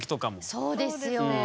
そうですね。